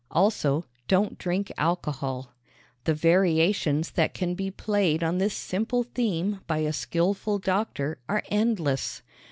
Also: Don't drink alcohol. The variations that can be played on this simple theme by a skillful doctor are endless.